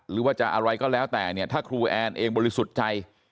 หรือว่าจะอะไรก็แล้วแต่เนี่ยถ้าครูแอนเองบริสุทธิ์ใจ